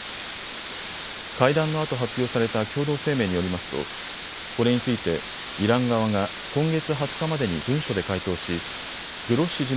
会談のあと発表された共同声明によりますとこれについてイラン側が今月２０日までに文書で回答しグロッシ